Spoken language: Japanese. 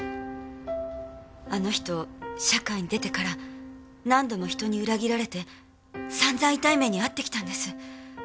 あの人社会に出てから何度も人に裏切られて散々痛い目に遭ってきたんです。